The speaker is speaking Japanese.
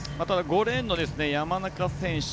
５レーンの山中選手